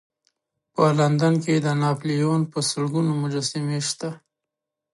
په لندن کې د ناپلیون په سلګونو مجسمې شته.